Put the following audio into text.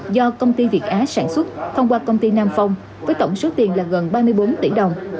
do công ty việt á sản xuất thông qua công ty nam phong với tổng số tiền là gần ba mươi bốn tỷ đồng